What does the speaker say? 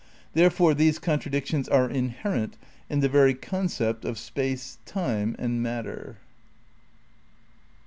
There fore these contradictions are inherent in the very con cept of space, time and matter.